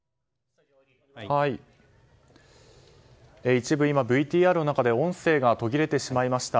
一部、今、ＶＴＲの中で音声が途切れてしまいました。